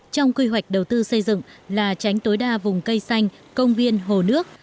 trong quy hoạch đầu tư xây dựng là tránh tối đa vùng cây xanh công viên hồ nước